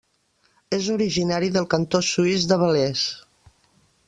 És originari del cantó suís de Valais.